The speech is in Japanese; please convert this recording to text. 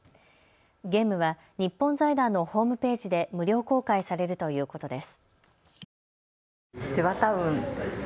ゲームは日本財団のホームページで無料公開されるということです。